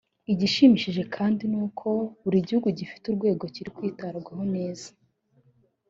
Igishimishije kandi ni uko buri gihugu gifite urwego kiri kwitwaramo neza